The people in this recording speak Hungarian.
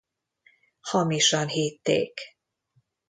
Hamisan hitték.